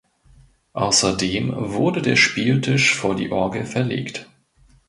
Außerdem wurde der Spieltisch vor die Orgel verlegt.